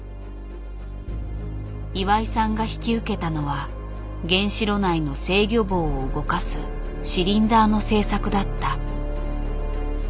岩井さんが引き受けたのは原子炉内の制御棒を動かすシリンダーの製作だった。